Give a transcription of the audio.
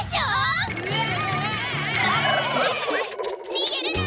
にげるな！